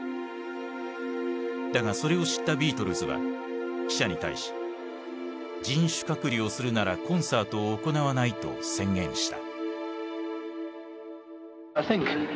だがそれを知ったビートルズは記者に対し人種隔離をするならコンサートを行わないと宣言した。